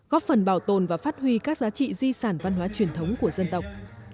góp phần bảo tồn và phát huy các giá trị di sản văn hóa truyền thống của dân tộc